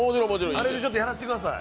あれでちょっとやらせてください。